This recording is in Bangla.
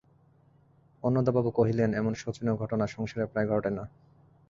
অন্নদাবাবু কহিলেন, এমন শোচনীয় ঘটনা সংসারে প্রায় ঘটে না।